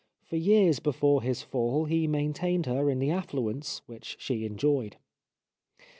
For years before his fall he maintained her in the affluence which she enjoyed.